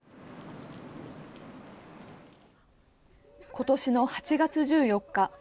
ことしの８月１４日。